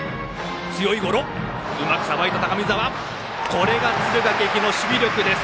これが敦賀気比の守備力です。